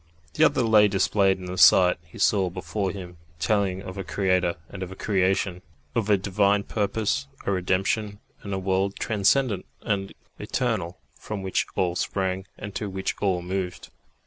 The other lay displayed in the sight he saw before him, telling of a Creator and of a creation, of a Divine purpose, a redemption, and a world transcendent and eternal from which all sprang and to which all moved.